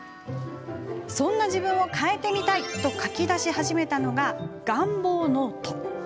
そんな自分を変えてみたいと書き出し始めたのが願望ノート。